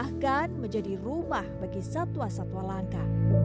bahkan menjadi rumah bagi satwa satwa langka